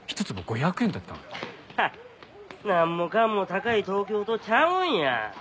なんもかんも高い東京とちゃうんや。